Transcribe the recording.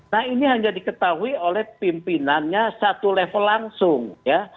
nah ini hanya diketahui oleh pimpinannya satu level langsung ya